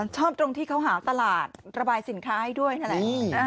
ตรงที่เขาหาตลาดระบายสินค้าให้ด้วยนั่นแหละ